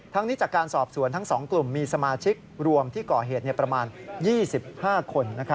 นี้จากการสอบสวนทั้ง๒กลุ่มมีสมาชิกรวมที่ก่อเหตุประมาณ๒๕คน